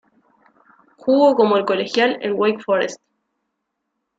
Jugo como colegial en Wake Forest.